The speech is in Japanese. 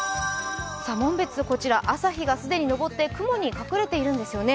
こちら朝日が既に上って雲に隠れているんですよね。